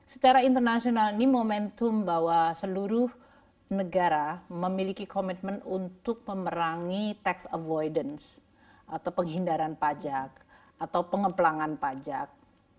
secara internasional ini momentum bahwa seluruh negara memiliki komitmen untuk memerangi tax avoidance atau penghindaran pajak atau pengeplangan pajak